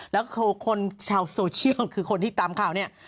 แล้วคือคนชาวโซเชียลคือคนที่ตามข่าวเนี่ย